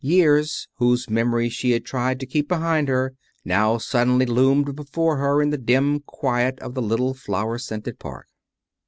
Years, whose memory she had tried to keep behind her, now suddenly loomed before her in the dim quiet of the little flower scented park.